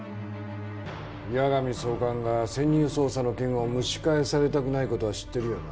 矢上総監が潜入捜査の件を蒸し返されたくない事は知ってるよな？